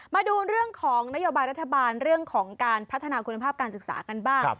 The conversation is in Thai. มาดูเรื่องของนโยบายรัฐบาลเรื่องของการพัฒนาคุณภาพการศึกษากันบ้าง